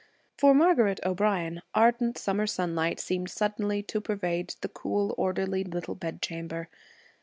For Margaret O'Brien, ardent summer sunlight seemed suddenly to pervade the cool, orderly little bed chamber.